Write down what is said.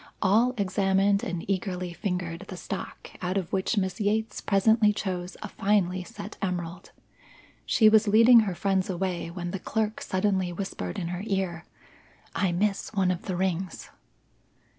All examined and eagerly fingered the stock out of which Miss Yates presently chose a finely set emerald. She was leading her friends away when the clerk suddenly whispered in her ear, "I miss one of the rings."